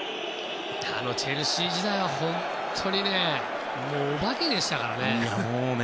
チェルシー時代は本当にお化けでしたからね。